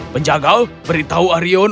penjaga beritahu arion